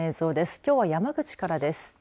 きょうは山口からです。